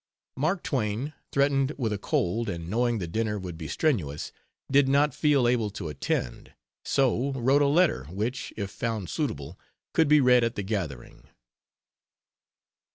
Mark Twain, threatened with a cold, and knowing the dinner would be strenuous, did not feel able to attend, so wrote a letter which, if found suitable, could be read at the gathering.